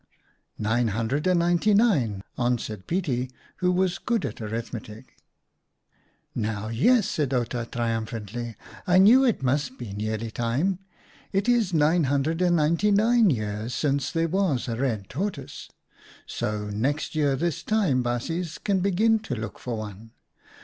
" Nine hundred and ninety nine," answered Pietie, who was good at arithmetic. " Now, yes," said Outa, triumphantly, " I knew it must be nearly time. It is nine hundred and ninety nine years since there was a red tortoise, so next year this time baasjes can begin to look for one.